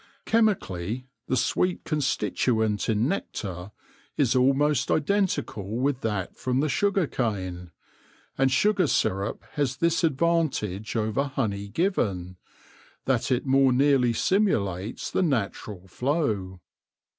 Chemically, the sweet con stituent in nectar is almost identical with that from the sugar cane ; and sugar syrup has this advantage over honey given— that it more nearly simulates the natural flow.